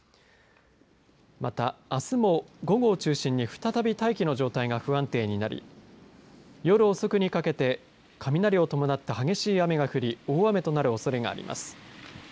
また、あすも午後を中心に再び大気の状態が不安定になり夜遅くにかけて雷を伴った激しい雨が降り大雨となるおそれがあります。